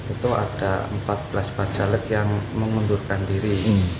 itu ada empat belas bacalek yang mengundurkan diri